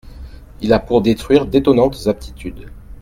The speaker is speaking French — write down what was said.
Il a pour détruire d'étonnantes aptitudes.